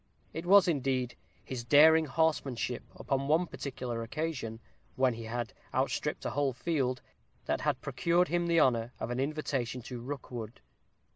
It was, indeed, his daring horsemanship, upon one particular occasion, when he had outstripped a whole field, that had procured him the honor of an invitation to Rookwood.